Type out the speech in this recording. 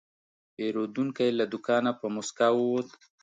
پیرودونکی له دوکانه په موسکا ووت.